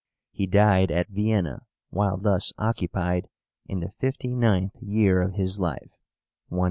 He died at Vienna while thus occupied, in the fifty ninth year of his life (180).